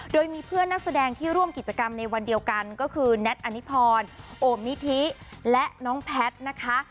โดยมีเพื่อนนักแสดงที่ร่วมกิจกรรมในวันเดียวกันก็คือแน็ตอนิพรโอมนิธิและน้องแพทย์นะคะ